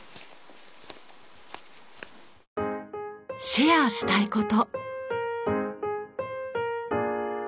シェアしたい事。